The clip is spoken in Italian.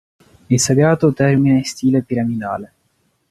Il sagrato termina in stile piramidale.